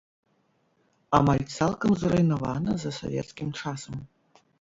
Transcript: Амаль цалкам зруйнавана за савецкім часам.